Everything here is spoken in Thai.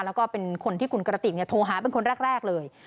แล้วก็เป็นคนที่คุณกระติกโทรหาเป็นคนแรกเลย